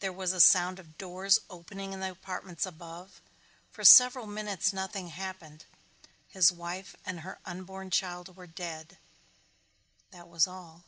There was a sound of doors opening in the apartments above. For several minutes nothing happened. His wife and her unborn child were dead that was all.